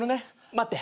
待って。